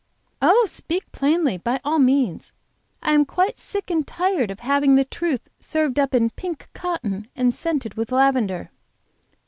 "Oh, speak plainly, by all means! I am quite sick and tired of having truth served up in pink cotton, and scented with lavender."